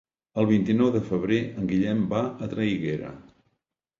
El vint-i-nou de febrer en Guillem va a Traiguera.